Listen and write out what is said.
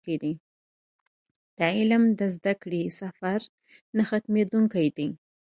د علم د زده کړې سفر نه ختمېدونکی دی.